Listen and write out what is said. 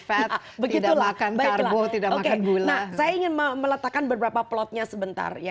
fat begitu makan berapa tidak makan gula saya ingin meletakkan beberapa plotnya sebentar ya